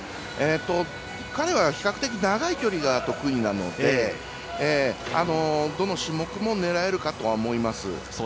彼は、比較的長い距離が得意なのでどの種目も狙えるかとは思います。